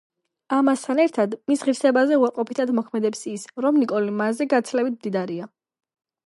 ამასთან ერთად, მის ღირსებაზე უარყოფითად მოქმედებს ის, რომ ნიკოლი მასზე გაცილებით მდიდარია.